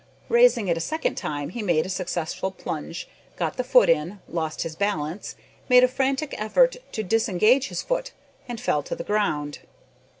Raising it a second time, he made a successful plunge, got the foot in, lost his balance, made a frantic effort to disengage his foot, and fell to the ground.